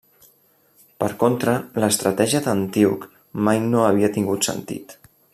Per contra, l'estratègia d'Antíoc mai no havia tingut sentit.